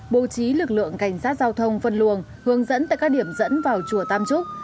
bố trí lực lượng cảnh sát giao thông phân luồng hướng dẫn tại các điểm dẫn vào chùa tam trúc